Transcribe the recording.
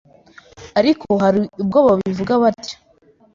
Ariko hari ubwo babivuga batyo,